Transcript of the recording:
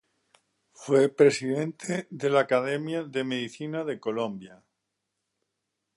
Fue presidente de la Academia de Medicina de Colombia.